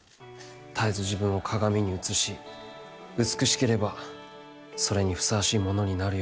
「たえず自分を鏡に映し美しければそれにふさわしい者になるように。